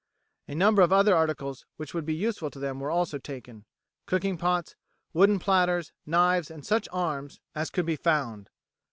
A number of other articles which would be useful to them were also taken cooking pots, wooden platters, knives, and such arms as could be found.